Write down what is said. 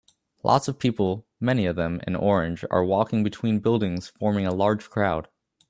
Lots of people many of them in orange are walking between buildings forming a large crowd